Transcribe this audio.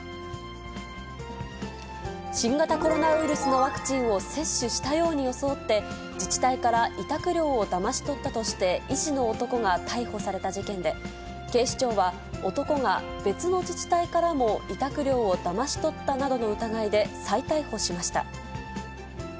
新型コロナウイルスのワクチンを接種したように装って、自治体から委託料をだまし取ったとして、医師の男が逮捕された事件で、警視庁は男が別の自治体からも委託料をだまし取ったなどの疑いで再逮捕しました。